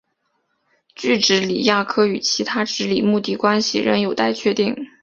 锯脂鲤亚科与其他脂鲤目的关系仍有待确定。